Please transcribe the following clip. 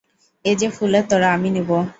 এ যে ফুলের তোড়া, আমি নেব।